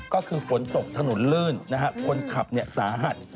ก็คือฝนตกถนนลื่นคนขับสาหัส